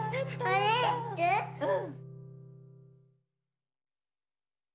うん。